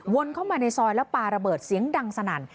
เข้ามาในซอยแล้วปลาระเบิดเสียงดังสนั่น